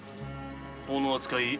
法の扱い